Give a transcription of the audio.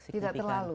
tidak terlalu ya